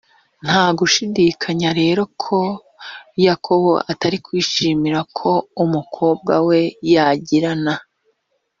nta gushidikanya rero ko yakobo atari kwishimira ko umukobwa we yagirana